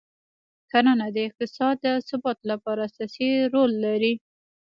کرنه د اقتصاد د ثبات لپاره اساسي رول لري.